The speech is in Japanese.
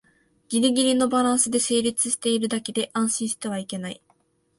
ギリギリのバランスで成立してるだけで安心してはいけない